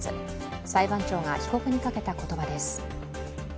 裁判長が被告にかけた言葉です。